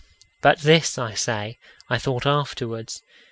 But this, I say, I thought afterwards.